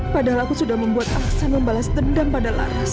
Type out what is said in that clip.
padahal aku sudah membuat aksan membalas dendam pada laras